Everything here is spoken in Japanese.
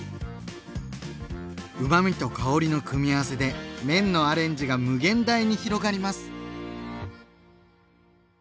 うまみと香りの組み合わせで麺のアレンジが無限大に広がります！